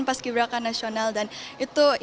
pas kiberakan nasional dan itu